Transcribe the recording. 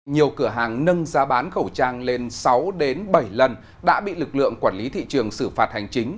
nhiều cửa hàng nâng giá bán khẩu trang lên sáu bảy lần đã bị lực lượng quản lý thị trường xử phạt hành chính